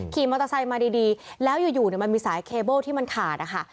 ขี่มอเตอร์ไซค์มาดีแล้วอยู่มันมีสายเคเบิ้ลที่มันขาดนะคะ